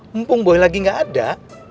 mumpung boy lagi ga ada